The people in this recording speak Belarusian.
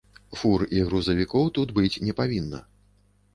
Фур і грузавікоў тут быць не павінна.